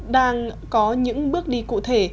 đang có những bước đi cụ thể